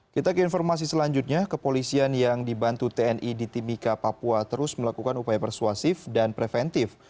kita ke informasi selanjutnya kepolisian yang dibantu tni di timika papua terus melakukan upaya persuasif dan preventif